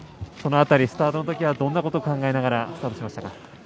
その辺り、スタートはどんなことを考えながらスタートしましたか？